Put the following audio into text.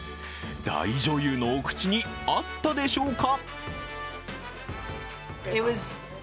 大女優のお口に合ったでしょうか。